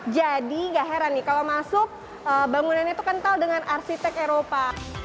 jadi nggak heran nih kalau masuk bangunannya itu kental dengan arsitek eropa